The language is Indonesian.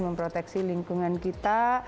memproteksi lingkungan kita